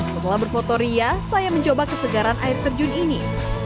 setelah berfoto ria saya mencoba kesegaran air terjun ini